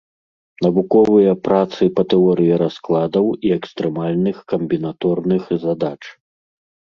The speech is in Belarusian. Навуковыя працы па тэорыі раскладаў і экстрэмальных камбінаторных задач.